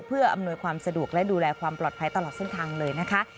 เพื่ออำนวยความสะดวกและดูแลความปลอดภัยตลอดเส้นทางเลยนะคะ